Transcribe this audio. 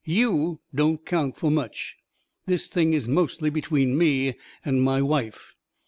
YOU don't count for much. This thing is mostly between me and my wife."